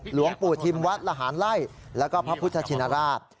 หลวงปู่ทิมวัดละหารไล่แล้วก็พระพุทธชินราช